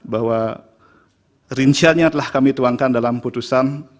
bahwa rinciannya telah kami tuangkan dalam putusan